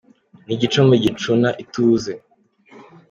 Ni igicumbi gicuna ituze